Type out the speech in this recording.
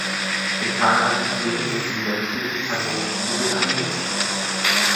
In zahlreichen Filmen wird die Menschliche Kanonenkugel eingesetzt.